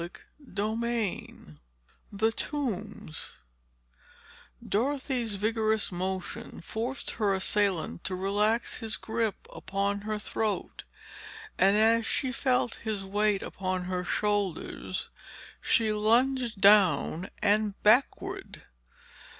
Chapter XVII "THE TOMBS" Dorothy's vigorous motion forced her assailant to relax his grip upon her throat, and as she felt his weight upon her shoulders, she lunged down and backward.